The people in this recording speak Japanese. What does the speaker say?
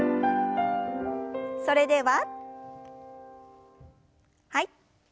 それでははい。